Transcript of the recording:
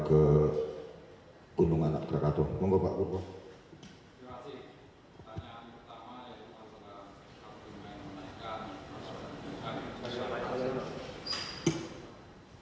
terima kasih pertanyaan pertama adalah masalah argumen menaikan atau argumentasi apa yang dipakai